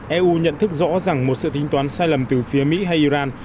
eu nhận thức rõ rằng một sự tính toán sai lầm từ phía mỹ hay iran